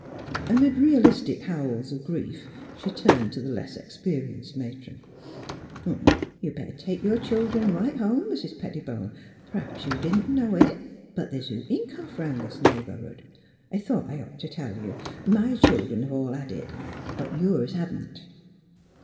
Amid realistic howls of grief she turned to the less experienced matron :^' You'd better take your children right home. Mis' Pettibone. P'rhaps you didn't 'know it, but th's 'ho op in ' cough ' round this neighbourhood; I thought I'd ought to tell you. My children have all had it ; but yours haven't."